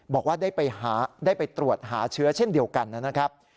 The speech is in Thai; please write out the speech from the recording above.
บอกว่าได้ไปตรวจหาเชื้อเช่นเดียวกันนะครับ